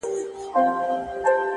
خدايه هغه داسي نه وه؛